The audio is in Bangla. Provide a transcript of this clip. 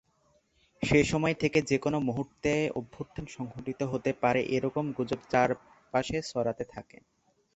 সেসময় থেকে যেকোনো মুহূর্তে অভ্যুত্থান সংঘটিত হতে পারে এরকম গুজব চারপাশে ছড়াতে থাকে।